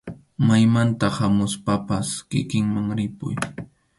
Maymanta hamuspapas kikinman ripuy.